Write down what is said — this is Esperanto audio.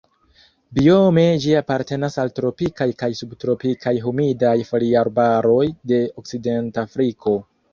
Biome ĝi apartenas al tropikaj kaj subtropikaj humidaj foliarbaroj de Okcidentafriko.